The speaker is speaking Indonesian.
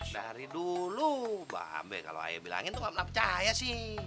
dari dulu mbak be kalau ayo bilangin tuh gak pernah percaya sih